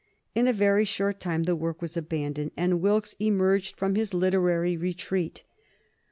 In a very short time the work was abandoned, and Wilkes emerged from his literary retreat.